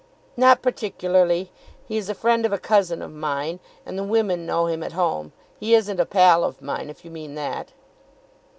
"Not particularly. He is a friend of a cousin of mine; and the women know him at home. He isn't a pal of mine if you mean that."